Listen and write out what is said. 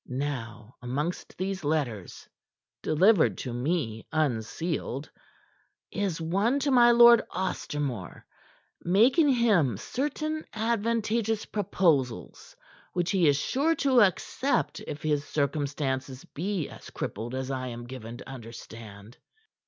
Now, amongst these letters delivered to me unsealed is one to my Lord Ostermore, making him certain advantageous proposals which he is sure to accept if his circumstances be as crippled as I am given to understand.